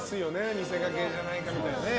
見せかけじゃないかみたいなね。